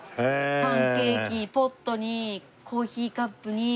パンケーキポットにコーヒーカップに。